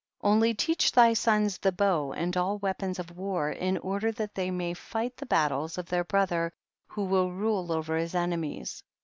9. Only teach thy sons the bow and all weapons of war, in order that they may fight the battles of their brother who will rule over his ene mies.